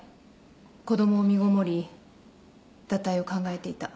子供を身ごもり堕胎を考えていた。